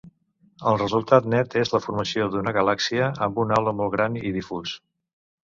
El resultat net és la formació d'una galàxia amb un halo molt gran i difús.